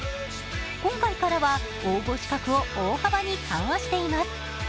今回からは応募資格を大幅に緩和しています。